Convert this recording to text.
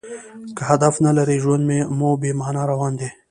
که هدف نه لرى؛ ژوند مو بې مانا روان دئ.